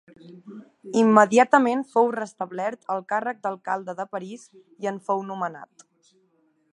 Immediatament fou restablert el càrrec d'alcalde de París i en fou nomenat.